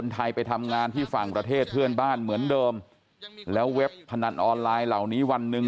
ถ้าข้างเรือข้ากัดตัว